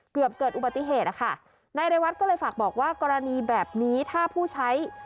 เกิดเกิดอุบัติเหตุนะคะนายเรวัตก็เลยฝากบอกว่ากรณีแบบนี้ถ้าผู้ใช้